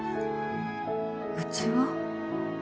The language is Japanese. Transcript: うちは